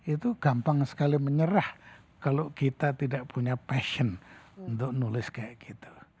itu gampang sekali menyerah kalau kita tidak punya passion untuk nulis kayak gitu